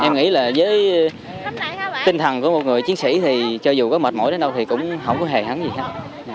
em nghĩ là với tinh thần của một người chiến sĩ thì cho dù có mệt mỏi đến đâu thì cũng không có hề hắn gì hết